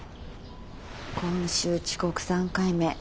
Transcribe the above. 今週遅刻３回目。